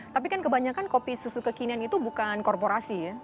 tapi kan kebanyakan kopi susu kekinian itu bukan korporasi ya